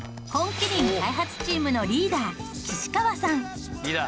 麒麟開発チームのリーダー岸川さん。